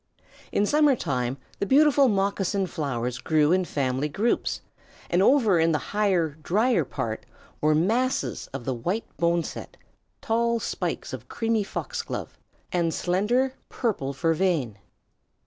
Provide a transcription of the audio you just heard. In summer time the beautiful moccasin flowers grew in family groups, and over in the higher, dryer part were masses of white boneset, tall spikes of creamy foxglove, and slender, purple vervain.